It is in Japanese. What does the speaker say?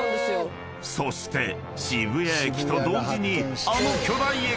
［そして渋谷駅と同時に］